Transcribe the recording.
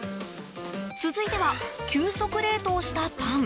続いては、急速冷凍したパン。